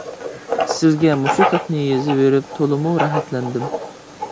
سىزگە مۇشۇ خەتنى يېزىۋېرىپ تولىمۇ راھەتلەندىم.